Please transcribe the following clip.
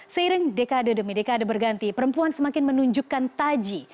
seiring dekade demi dekade berganti perempuan semakin menunjukkan taji